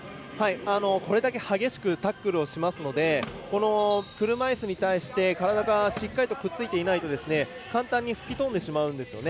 これだけ激しくタックルをしますのでこの車いすに対して体がしっかりとくっついていないと簡単に吹き飛んでしまうんですよね。